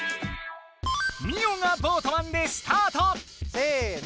せの！